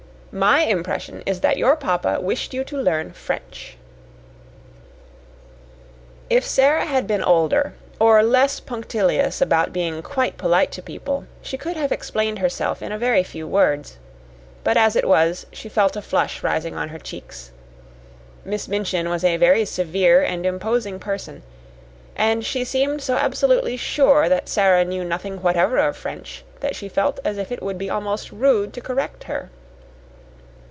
My impression is that your papa wished you to learn French." If Sara had been older or less punctilious about being quite polite to people, she could have explained herself in a very few words. But, as it was, she felt a flush rising on her cheeks. Miss Minchin was a very severe and imposing person, and she seemed so absolutely sure that Sara knew nothing whatever of French that she felt as if it would be almost rude to correct her.